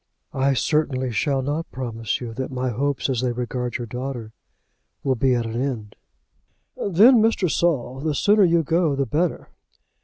"I certainly shall not promise you that my hopes as they regard your daughter will be at an end." "Then, Mr. Saul, the sooner you go the better."